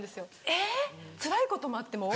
・えっつらいこともあっても？